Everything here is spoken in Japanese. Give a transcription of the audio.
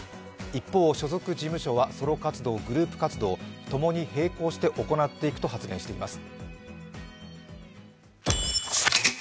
一方、所属事務所はソロ活動グループ活動ともに並行して行っていくと発表しています。